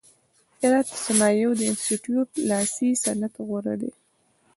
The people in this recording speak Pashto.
د هرات د صنایعو د انستیتیوت لاسي صنعت غوره و.